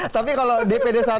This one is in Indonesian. tapi kalau dpd satu